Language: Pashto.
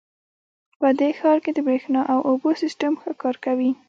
په دې ښار کې د بریښنا او اوبو سیسټم ښه کار کوي